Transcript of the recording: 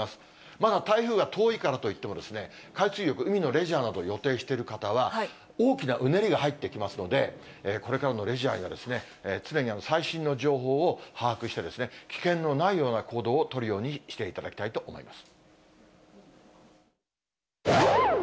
まだ台風が遠いからといっても、海水浴、海のレジャーなど予定している方は、大きなうねりが入ってきますので、これからのレジャーには常に最新の情報を把握して、危険のないような行動を取るようにしていただきたいと思います。